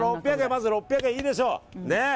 まずは６００円、いいでしょう。